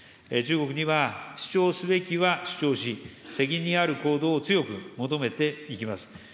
中国には、主張すべきは主張し、責任ある行動を強く求めていきます。